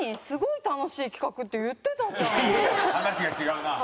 すごい楽しい企画って言ってたじゃん。